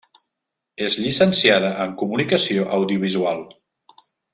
És llicenciada en comunicació audiovisual.